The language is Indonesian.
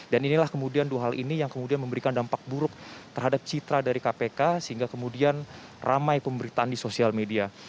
dan inilah kemudian dua hal ini yang kemudian memberikan dampak buruk terhadap citra dari kpk sehingga kemudian ramai pemberitaan di sosial media